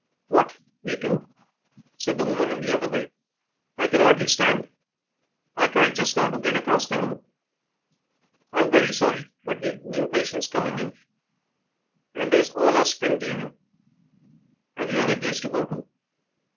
"What, me too?" said the woman in the other bed. "I can hardly stand; I tried just now to get across the room." "I'm very sorry, but we've new patients coming, and there's all our spring cleaning. Have you any place to go to?"